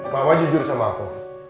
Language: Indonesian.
mama jujur sama aku